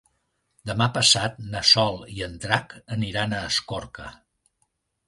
Demà passat na Sol i en Drac aniran a Escorca.